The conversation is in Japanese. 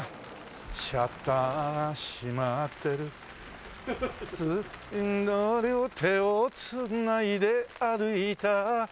「シャッターが閉まってる」「手を繋いで歩いた」